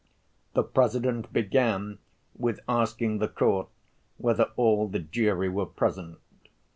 The President began with asking the court whether all the jury were present.